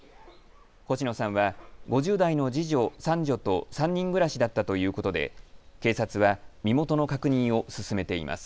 星野さんは５０代の次女、三女と３人暮らしだったということで警察は身元の確認を進めています。